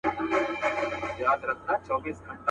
يو ځل ځان لره بوډۍ كړوپه پر ملا سه.